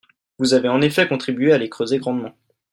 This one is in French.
Vous avez en effet contribué à les creuser grandement.